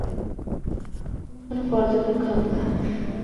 তুমি কোনো পর্যাবেক্ষক না।